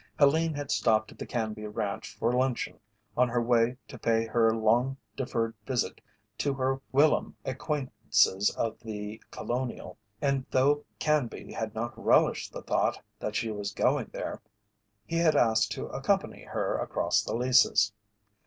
Helene had stopped at the Canby ranch for luncheon on her way to pay her long deferred visit to her whilom acquaintances of The Colonial, and though Canby had not relished the thought that she was going there, he had asked to accompany her across the leases.